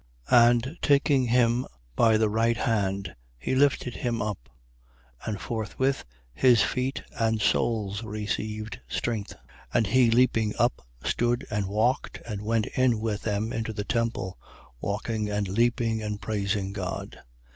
3:7. And taking him by the right hand, he lifted him up: and forthwith his feet and soles received strength. 3:8. And he leaping up, stood and walked and went in with them into the temple, walking and leaping and praising God.